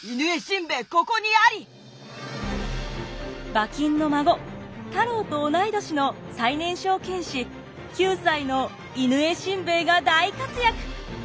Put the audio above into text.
馬琴の孫太郎と同い年の最年少犬士９歳の犬江親兵衛が大活躍！